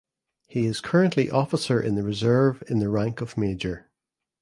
He is currently officer in the reserve in the rank of Major.